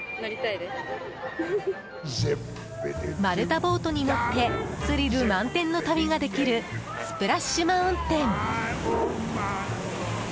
丸太ボートに乗ってスリル満点の旅ができるスプラッシュ・マウンテン。